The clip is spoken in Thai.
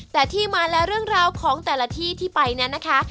แต่ที่มาและเรื่องราวของแต่ละที่ที่ไปนั้นนะคะ